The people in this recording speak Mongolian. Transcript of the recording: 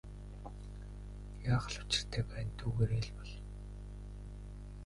Яах л учиртай байна түүгээрээ бол.